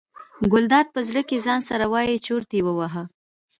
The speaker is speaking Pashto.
ګلداد په زړه کې ځان سره وایي چورت یې وواهه.